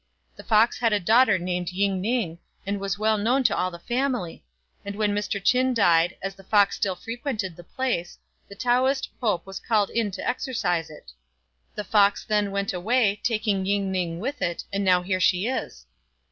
The fox had a daughter named Ying ning, as was well known to all the family ; and when Mr. Ch'in died, as the fox still frequented the place, the Taoist Pope 8 was called in to exorcise it. The fox then went away, taking Ying ning with it, and now here she is."